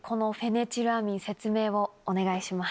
お願いします。